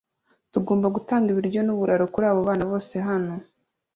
Tugomba gutanga ibiryo nuburaro kuri aba bana bose hano